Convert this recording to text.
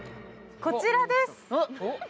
こちらです。